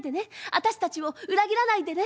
私たちを裏切らないでね。